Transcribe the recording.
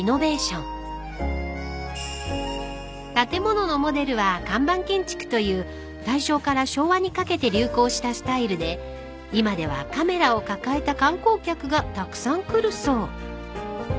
［建物のモデルは看板建築という大正から昭和にかけて流行したスタイルで今ではカメラを抱えた観光客がたくさん来るそう］